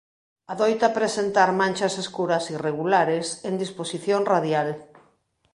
Adoita presentar manchas escuras irregulares en disposición radial.